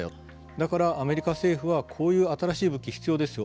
だから、アメリカ政府はこういう新しい武器が必要ですよ。